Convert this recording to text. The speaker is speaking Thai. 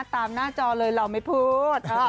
หน้าจอเลยเราไม่พูด